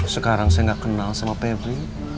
sekarang saya nggak kenal sama pebri